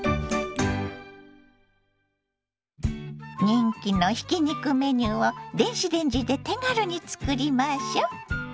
人気のひき肉メニューを電子レンジで手軽に作りましょ。